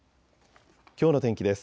きょうの天気です。